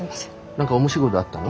何か面白いことあったの？